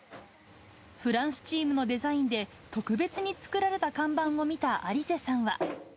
フランスチームのデザインで特別に作られた看板を見たアリゼさんは。